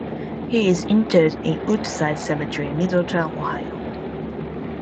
He is interred in Woodside Cemetery, Middletown, Ohio.